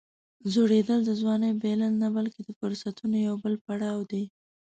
زوړېدل د ځوانۍ بایلل نه، بلکې د فرصتونو یو بل پړاو دی.